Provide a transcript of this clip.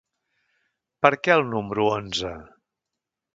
Per què el número onze?